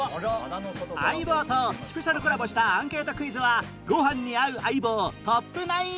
『相棒』とスペシャルコラボしたアンケートクイズはご飯に合う相棒トップ９